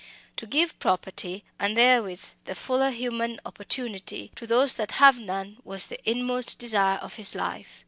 To give property, and therewith the fuller human opportunity, to those that have none, was the inmost desire of his life.